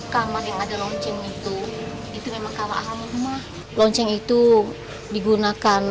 kamar yang ada lonceng itu itu memang kalau awalnya lonceng itu digunakan